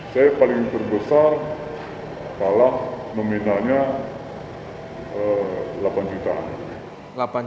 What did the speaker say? saya paling terbesar kalah nominanya delapan jutaan